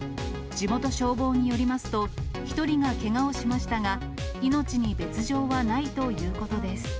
地元消防によりますと、１人がけがをしましたが、命に別状はないということです。